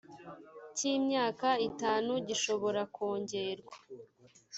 cy imyaka itanu gishobora kongerwa